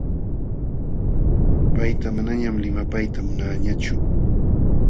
Payta manañaq limapayta munaañachu.